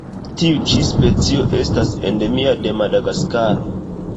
Tiu ĉi specio estas endemia de Madagaskaro.